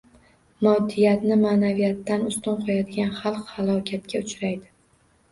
Moddiyatni maʼnaviyatdan ustun qo‘yadigan xalq halokatga uchraydi.